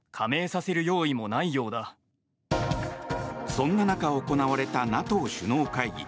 そんな中行われたＮＡＴＯ首脳会議。